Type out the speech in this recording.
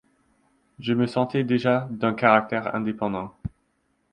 Je me sentais déjà d'un caractère indépendant.